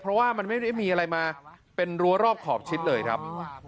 เพราะว่ามันไม่ได้มีอะไรมาเป็นรั้วรอบขอบชิดเลยครับ